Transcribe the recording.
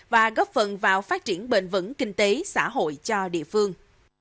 và góp phần vào phát triển bền vững kinh tế xã hội cho địa phương